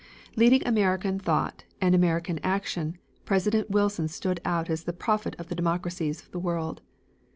Leading American thought and American action, President Wilson stood out as the prophet of the democracies of the world.